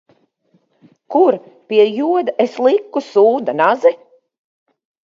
Kur, pie joda, es liku sūda nazi?